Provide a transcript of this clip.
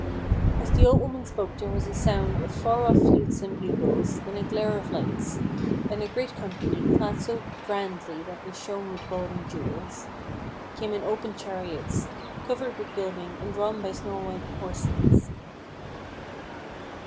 As the old woman spoke there was a sound of far off flutes and bugles, then a glare of lights; and a great company, clad so grandly that they shone with gold and jewels, came in open chariots, covered with gilding, and drawn by snow white horses.